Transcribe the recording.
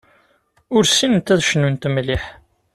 Ur ssinent ad cnunt mliḥ.